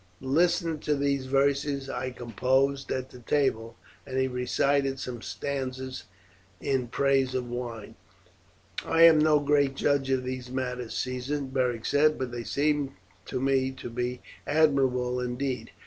"Listen to these verses I composed at the table;" and he recited some stanzas in praise of wine. "I am no great judge of these matters, Caesar," Beric said; "but they seem to me to be admirable indeed.